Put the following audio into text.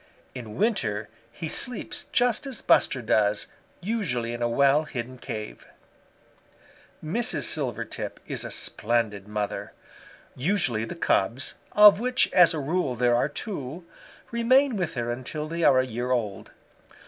In winter he sleeps just as Buster does, usually in a well hidden cave. "Mrs. Silvertip is a splendid mother. Usually the cubs, of which as a rule there are two, remain with her until they are a year old.